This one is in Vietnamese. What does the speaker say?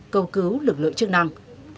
cầu cứu lực lượng chức năng